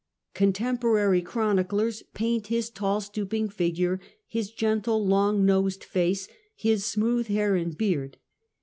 Contemporary chroniclers paint his tall, stooping figure, his gentle, long nosed face, his smooth hair and beard.